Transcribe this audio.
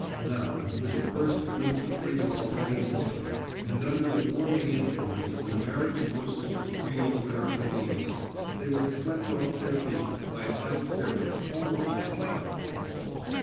Now, with the first glimpse of freedom already in sight and under the warming influence of an American hostess' real American meal, they were swept off their feet by high spirits almost childlike.